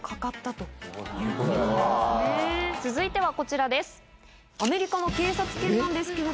続いてはこちらです。